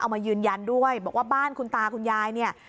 มายืนยันด้วยบอกว่าบ้านคุณตาคุณยายเนี่ย